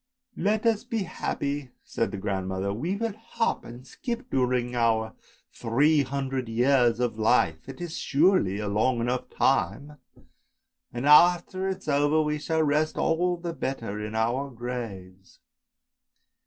...." Let us be happy," said the grandmother, " we will hop and skip during our three hundred years of life, it is surely a long enough time, and after it is over, we shall rest all the better in our graves.